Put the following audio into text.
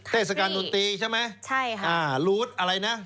คือเทศกาลดนตรีคันทรีใช่ค่ะ